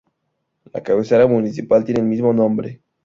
La cabecera municipal tiene el mismo nombre.